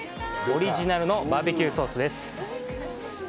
オリジナルのバーベキューソースです。